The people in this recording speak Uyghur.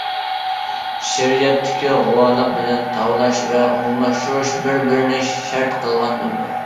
شېئىرىيەتتىكى غۇۋالىق بىلەن تاۋلاش ۋە ئومۇملاشتۇرۇش بىر- بىرىنى شەرت قىلغان بولىدۇ.